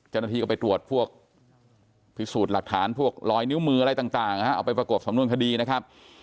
เจ้าหน้าที่ก็ไปตรวจพวกพิสูจน์หลักฐานพวกลอยนิ้วมืออะไรต่างเอาไปประกอบสำนวนคดีนะครับ